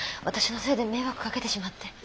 私のせいで迷惑かけてしまって。